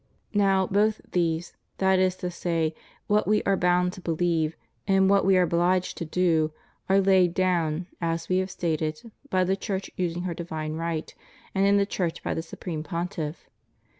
Now, both these, that is to say, what we are bound to believe, and what we are obliged to do, are laid down, as we have stated, by the Church using her divine right, and in the Church by the supreme Pontiff.